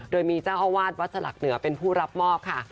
โดยมีเจ้าอาวาสวัดสลักเหนือเป็นผู้รับมอบค่ะ